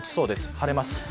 晴れます。